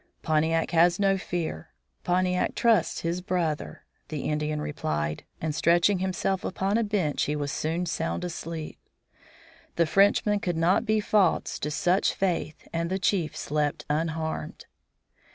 "Pontiac has no fear. Pontiac trusts his brother," the Indian replied, and stretching himself upon a bench he was soon sound asleep. The Frenchman could not be false to such faith and the chief slept unharmed.